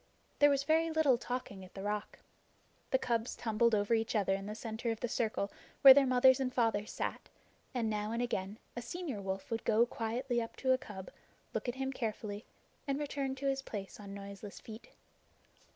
There was very little talking at the Rock. The cubs tumbled over each other in the center of the circle where their mothers and fathers sat, and now and again a senior wolf would go quietly up to a cub, look at him carefully, and return to his place on noiseless feet.